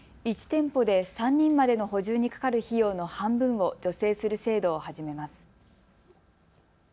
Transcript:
１店舗で３人までの補充にかかる費用の半分を助成する制度を始めます。